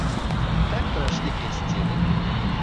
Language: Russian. Как прошли крестины?